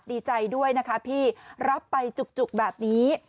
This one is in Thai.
ดีใจด้วยนะคะพี่รับไปจุกแบบนี้